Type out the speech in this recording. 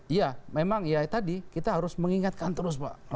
iya memang ya tadi kita harus mengingatkan terus pak